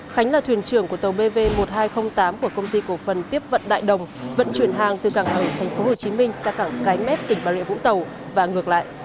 khánh là thuyền trưởng của tàu bv một nghìn hai trăm linh tám của công ty cổ phần tiếp vận đại đồng vận chuyển hàng từ cảng hi tp hcm ra cảng cái mép tỉnh bà rịa vũng tàu và ngược lại